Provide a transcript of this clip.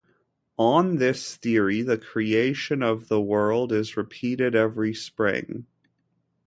On this theory, the creation of the world is repeated every spring.